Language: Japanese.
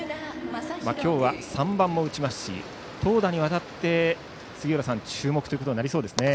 今日は３番も打ちますし投打にわたって、杉浦さん注目となりそうですね。